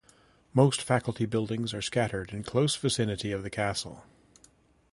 Most faculty buildings are scattered in close vicinity of the castle.